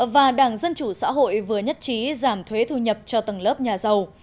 và đảng dân chủ xã hội vừa nhất trí giảm thuế thu nhập cho tầng lớp nhà giàu